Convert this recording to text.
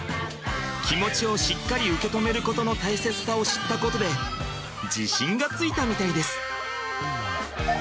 気持ちをしっかり受け止めることの大切さを知ったことで自信がついたみたいです。